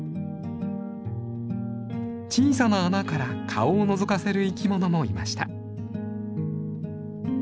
小さな穴から顔をのぞかせる生きものもいました。